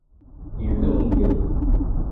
Yebda umgaru.